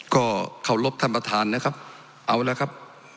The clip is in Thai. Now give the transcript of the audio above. ก็เคารพท่านประธานนะครับเอาละครับ